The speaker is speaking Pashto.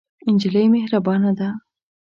نجلۍ مهربانه ده.